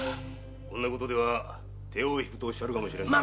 これでは手をひくとおっしゃるかもしれんぞ。